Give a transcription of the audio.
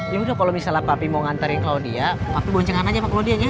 ya udah kalau misalnya papi mau nganterin claudia papi bonjangan aja sama claudia ya